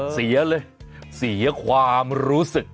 เสียเลยเสียความรู้สึก